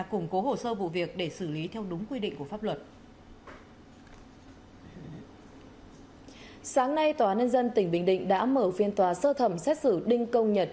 củng cố hồ sơ vụ việc để xử lý theo đúng quy định của pháp luật